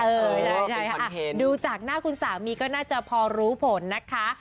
เออใช่ค่ะดูจากหน้าคุณสามีก็น่าจะพอรู้ผลนะคะ